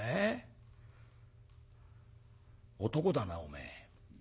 男だなおめえ。